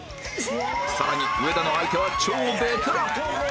更に上田の相手は超ベテラン